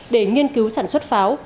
để nghiên cứu sản xuất pháo